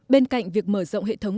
bên cạnh việc mở rộng hệ thống